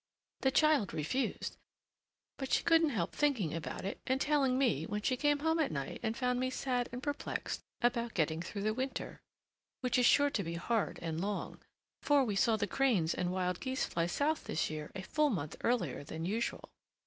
The child refused, but she couldn't help thinking about it and telling me when she came home at night and found me sad and perplexed about getting through the winter, which is sure to be hard and long, for we saw the cranes and wild geese fly south this year a full month earlier than usual.